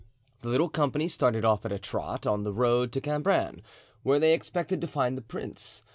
The little company started off at a trot on the road to Cambrin, where they expected to find the prince.